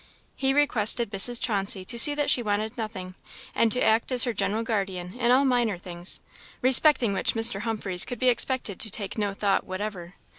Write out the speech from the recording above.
He requested Mrs. Chauncey to see that she wanted nothing, and to act as her general guardian in all minor things, respecting which Mr. Humphreys could be expected to take no thought whatever.